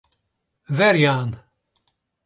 Werjaan.